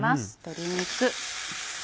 鶏肉。